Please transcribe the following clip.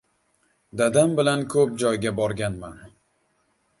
Dadam bilan ko‘p joyga borganman.